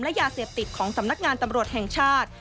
และยาเสพติดของสำนักงานตำรวจแห่งชาติ